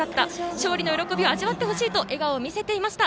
勝利の喜びを味わってほしいと笑顔を見せていました。